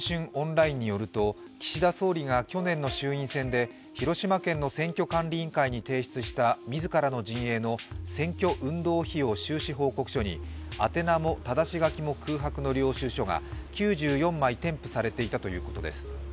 オンラインによると、岸田総理が去年の衆院選で、広島県の選挙管理委員会に提出した自らの陣営の選挙運動費用収支報告書に宛名もただし書きも空白の領収書が９４枚添付されていたということです。